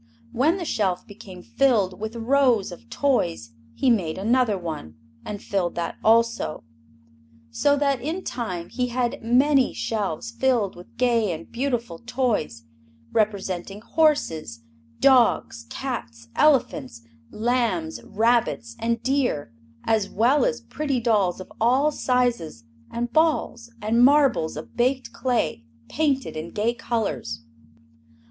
When the shelf became filled with rows of toys he made another one, and filled that also. So that in time he had many shelves filled with gay and beautiful toys representing horses, dogs, cats, elephants, lambs, rabbits and deer, as well as pretty dolls of all sizes and balls and marbles of baked clay painted in gay colors.